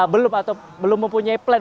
belum mempunyai plan